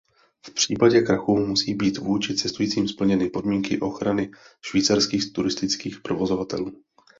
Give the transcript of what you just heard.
V případě krachu musí být vůči cestujícím splněny podmínky ochrany Švýcarských turistických provozovatelů.